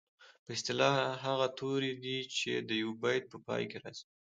په اصطلاح هغه توري دي چې د یوه بیت په پای کې راځي.